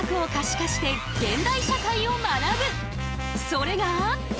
それが。